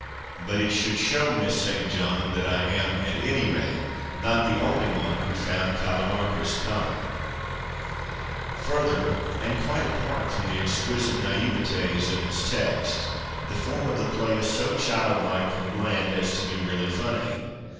But it should show Miss St. John that I am, at any rate, not the only one who found CaUimachus comic.) Further, and quite apart from the exquisite naiveties of its text, the form of the play is so childlike and bland as to be really funny.